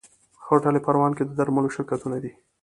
هوټل پروان کې د درملو شرکتونه دي.